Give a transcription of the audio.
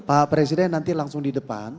pak presiden nanti langsung di depan